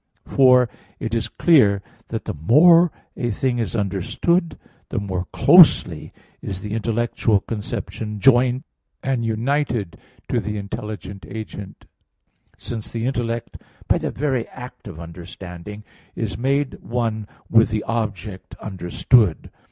For it is clear that the more a thing is understood, the more closely is the intellectual conception joined and united to the intelligent agent; since the intellect by the very act of understanding is made one with the object understood.